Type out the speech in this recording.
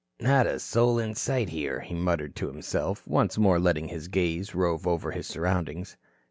"Not a soul in sight here," he muttered to himself, once more letting his gaze rove over his surroundings.